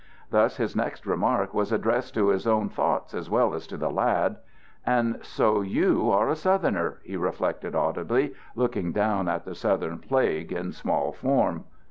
Thus his next remark was addressed to his own thoughts as well as to the lad: "And so you are a Southerner!" he reflected audibly, looking down at the Southern plague in small form.